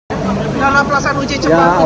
dalam pelaksanaan ujian cepat ujian cepat